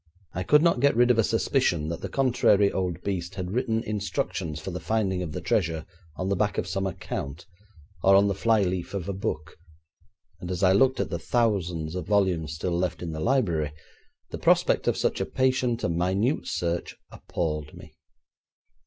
I could not get rid of a suspicion that the contrary old beast had written instructions for the finding of the treasure on the back of some account, or on the fly leaf of a book, and as I looked at the thousands of volumes still left in the library, the prospect of such a patient and minute search appalled me.